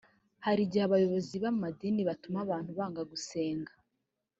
hari igihe abayobozi b ‘amadini batuma abantu banga gusenga.